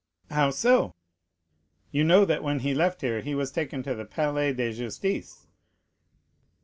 "How so?" "You know that when he left here he was taken to the Palais de Justice."